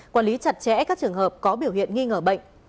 quản lý chặt chẽ các trường hợp có biểu hiện nghi ngờ bệnh